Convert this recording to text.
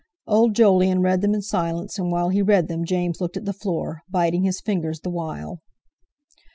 Old Jolyon read them in silence, and while he read them James looked at the floor, biting his fingers the while.